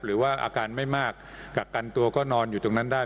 หรือว่าอาการไม่มากกักกันตัวก็นอนอยู่ตรงนั้นได้